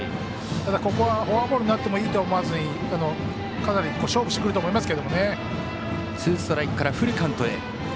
ここは、フォアボールになってもいいとは思わずにかなり勝負してくると思います。